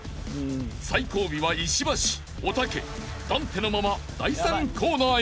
［最後尾は石橋おたけダンテのまま第３コーナーへ］